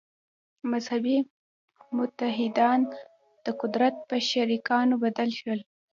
«مذهبي متحدان» د قدرت په شریکانو بدل شول.